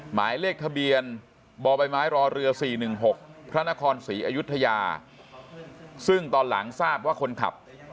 หมายเลขทะเบียนบใบไม้รอเรือ๔๑๖พระนครศรีอยุธยาซึ่งตอนหลังทราบว่าคนขับ